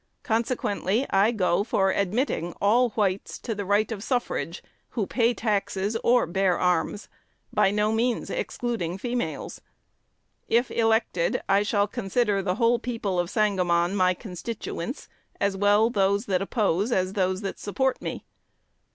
Consequently, I go for admitting all whites to the right of suffrage who pay taxes or bear arms (by no means excluding females). If elected, I shall consider the whole people of Sangamon my constituents, as well those that oppose as those that support me.